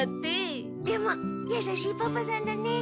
でもやさしいパパさんだね。